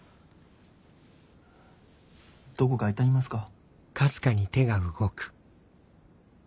どこか痛みますか？